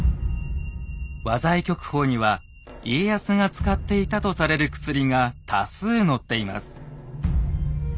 「和剤局方」には家康が使っていたとされる薬が多数載っています。